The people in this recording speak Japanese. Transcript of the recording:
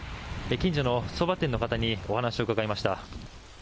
近所のそば店の方にお話を伺いました。